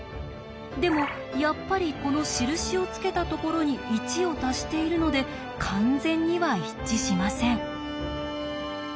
でもやっぱりこの印をつけたところに１を足しているので完全には一致しません。